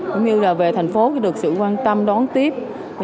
cũng như là về thành phố được sự quan tâm đón tiếp